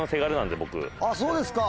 そうですか。